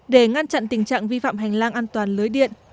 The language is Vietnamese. để ngăn chặn tình trạng vi phạm hành lang an toàn lưới điện